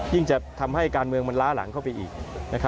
จะทำให้การเมืองมันล้าหลังเข้าไปอีก